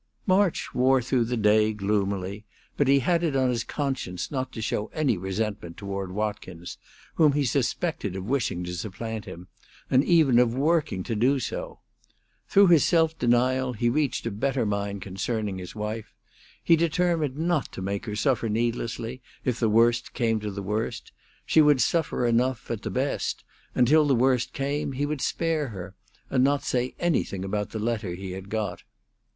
March wore through the day gloomily, but he had it on his conscience not to show any resentment toward Watkins, whom he suspected of wishing to supplant him, and even of working to do so. Through this self denial he reached a better mind concerning his wife. He determined not to make her suffer needlessly, if the worst came to the worst; she would suffer enough, at the best, and till the worst came he would spare her, and not say anything about the letter he had got.